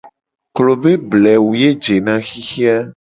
Klo be blewu ye jena xixe a.